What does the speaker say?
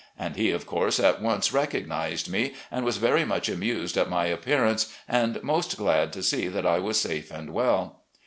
and he, of course, at once recognised me, and was very much amused at my appearance and most glad to see that I was safe and well.